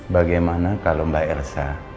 bagaimana kalau mbak elsa